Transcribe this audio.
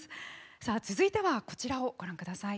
さあ続いてはこちらをご覧ください。